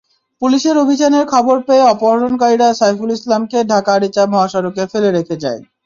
পুলিশের অভিযানের খবর পেয়ে অপহরণকারীরা সাইফুল ইসলামকে ঢাকা-আরিচা মহাসড়কে ফেলে রেখে যায়।